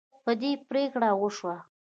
په دې پریکړه وشوه.